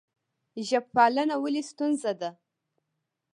ژب پالنه ولې ستونزه ده؟